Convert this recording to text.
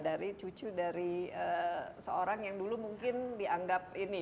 dari cucu dari seorang yang dulu mungkin dianggap ini